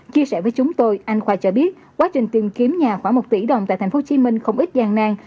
chia sẻ với chúng tôi anh khoa cho biết quá trình tìm kiếm nhà khoảng một tỷ đồng tại tp hcm không ít gian nan